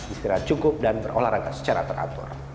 istirahat cukup dan berolahraga secara teratur